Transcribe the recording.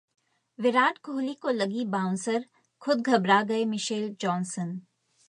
विराट कोहली को लगी बाउंसर, खुद घबरा गए मिशेल जॉनसन